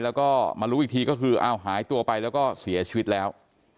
แล้วก็มารู้อีกทีก็คืออ้าวหายตัวไปแล้วก็เสียชีวิตแล้ว